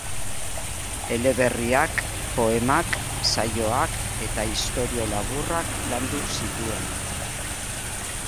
Eleberriak, poemak, saioak eta istorio laburrak landu zituen.